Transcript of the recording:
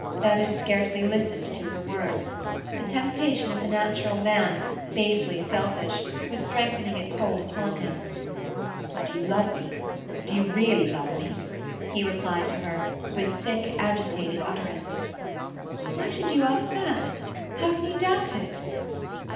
Bevis scarcely listened to her words. The temptation of the natural man, basely selfish, was strengthening its hold upon him. "Do you love me? Do you really love me?" he replied to her, with thick, agitated utterance. "Why should you ask that? How can you doubt it?"